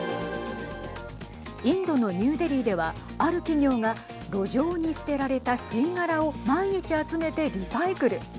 インドのニューデリーではある企業が路上に捨てられた吸い殻を毎日集めてリサイクル。